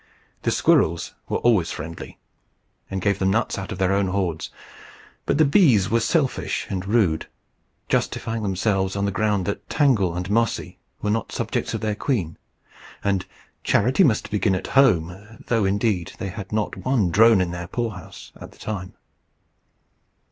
The squirrels were always friendly, and gave them nuts out of their own hoards; but the bees were selfish and rude, justifying themselves on the ground that Tangle and Mossy were not subjects of their queen, and charity must begin at home, though indeed they had not one drone in their poorhouse at the time.